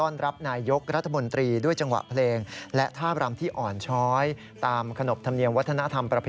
นายกแซ่บหรือเปล่าค่ะอร่อยไหมคะนายกแซ่บ